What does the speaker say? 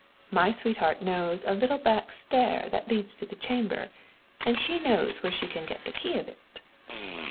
My sweetheart knows a little back stair that leads to the chamber, and she knows where she can get the key of it."